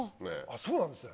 そうなんですね！